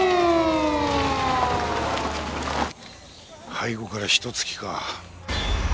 背後からひと突きか。